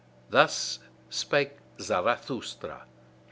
Thus spake Zarathustra.